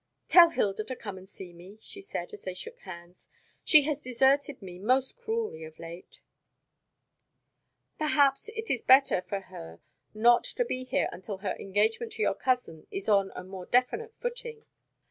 "Tell Hilda to come and see me," she said, as they shook hands. "She has deserted me most cruelly of late." "Perhaps it is better for her not to be here until her engagement to your cousin is on a more definite footing."